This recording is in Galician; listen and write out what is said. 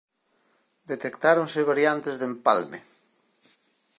Detectáronse variantes de empalme.